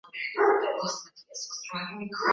mapokezi ya watalii kwenye hifadhi yanaridhisha sana